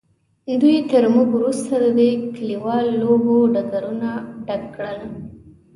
دوی تر موږ وروسته د دې کلیوالو لوبو ډګرونه ډک کړل.